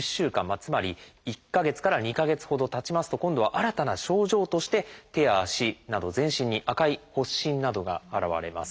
つまり１か月から２か月ほどたちますと今度は新たな症状として手や足など全身に赤い発疹などが現れます。